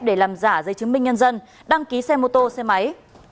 để làm giả giấy chứng minh nhân dân đăng ký xe mô tô xe máy